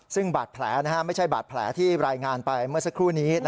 ซึ่งบาดแผลไม่ใช่บาดแผลที่รายงานไปเมื่อสักครู่นี้